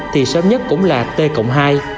thì sớm nhất cũng là t cộng hai